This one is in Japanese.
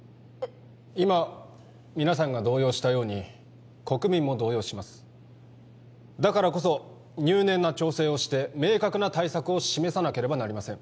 今皆さんが動揺したように国民も動揺しますだからこそ入念な調整をして明確な対策を示さなければなりません